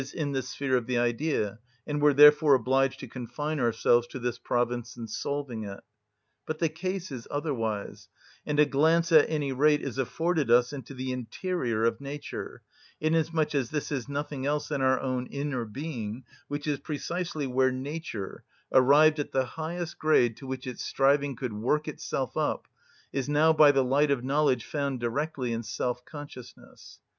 _, in the sphere of the idea, and were therefore obliged to confine ourselves to this province in solving it. But the case is otherwise, and a glance at any rate is afforded us into the interior of nature; inasmuch as this is nothing else than our own inner being, which is precisely where nature, arrived at the highest grade to which its striving could work itself up, is now by the light of knowledge found directly in self‐consciousness.